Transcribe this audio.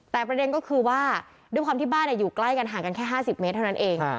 แต่ประเด็นก็คือว่าด้วยความที่บ้านอยู่ใกล้กันห่างกันแค่๕๐เมตรเท่านั้นเอง